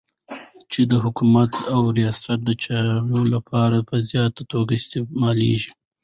چی د حکومت او د ریاست دچارو لپاره په زیاته توګه استعمالیږی